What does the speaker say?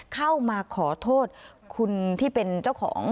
เข้ามาขอโทษคุณที่เป็นเจ้าของ